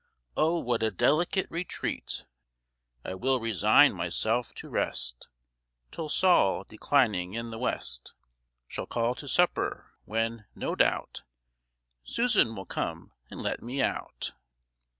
O what a delicate retreat! I will resign myself to rest Till Sol, declining in the west, Shall call to supper, when, no doubt, Susan will come and let me out."